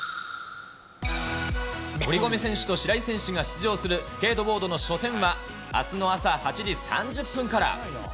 堀米選手と白井選手が出場するスケートボードの初戦は、あすの朝８時３０分から。